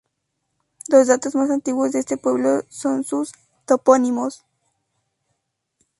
Los datos más antiguos de este pueblo son sus topónimos.